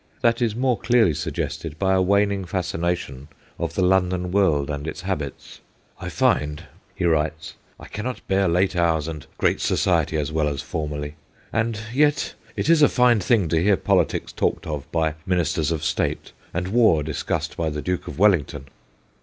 That is more clearly suggested by a waning fascination of the London world and its habits. 'I find,' he writes, ' I cannot bear late hours and great society as well as formerly ; and yet it is a fine thing to hear politics talked of by Ministers of State, and war discussed by the Duke of Wellington.'